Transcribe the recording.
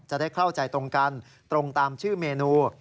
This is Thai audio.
จะได้เข้าใจตรงกันตรงตามชื่อเมนู